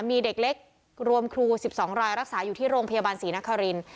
มีเด็กเล็กรวมครู๑๒รายรักษาอยู่ที่โรงพยาบาลศรีนคริน